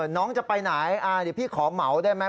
น้องจะไปไหนพี่ขอเหมาได้ไหม